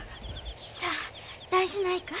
ひさ大事ないか？